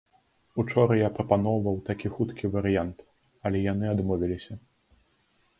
Учора я прапаноўваў такі хуткі варыянт, але яны адмовіліся.